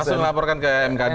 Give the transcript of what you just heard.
lari laporkan ke mkd